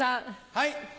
はい。